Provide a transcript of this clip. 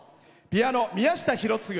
ピアノ、宮下博次。